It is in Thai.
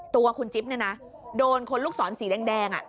ตัวคุณจิ๊บเนี่ยนะโดนคนลูกศรสีแดง